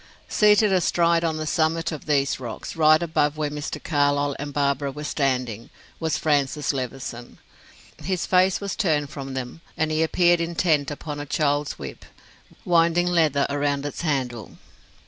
Seated astride on the summit of these rocks, right above where Mr. Carlyle and Barbara were standing was Francis Levison. His face was turned from them and he appeared intent upon a child's whip, winding leather round its handle.